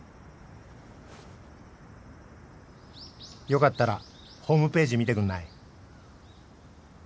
「よかったらホームページ見てくんない？」。